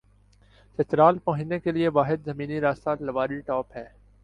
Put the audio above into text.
چترال پہنچنے کے لئے واحد زمینی راستہ لواری ٹاپ ہے ۔